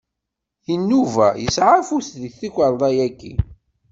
Inuba yesɛa afus deg tikerḍa-yaki